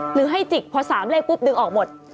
หรือให้จิกเพราะ๓เลขดึงออกหมด